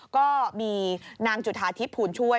ก็มีนางจุธาทิพย์ภูลช่วย